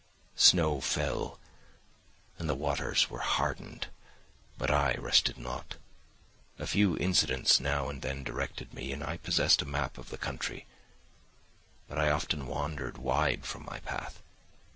Snow fell, and the waters were hardened, but I rested not. A few incidents now and then directed me, and I possessed a map of the country; but I often wandered wide from my path.